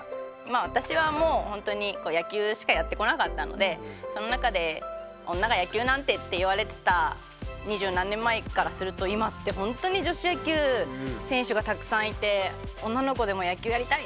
私はもう本当に野球しかやってこなかったのでその中で女が野球なんてって言われてた二十何年前からすると今って本当に女子野球選手がたくさんいて「女の子でも野球やりたい」